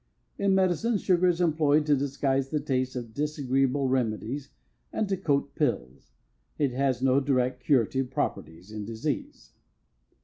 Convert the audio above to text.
In medicine sugar is employed to disguise the taste of disagreeable remedies and to coat pills. It has no direct curative properties in disease.